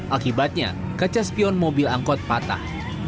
akibatnya kaca spion mobil angkot patah